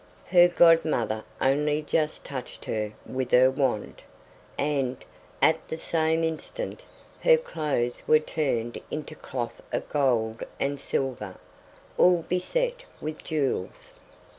Her godmother only just touched her with her wand, and, at the same instant, her clothes were turned into cloth of gold and silver, all beset with jewels.